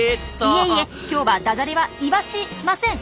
いえいえ今日はダジャレはイワシません！